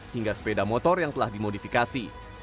hingga sepeda motor yang telah dimodifikasi